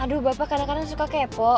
aduh bapak kadang kadang suka kepo